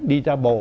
đi ra bộ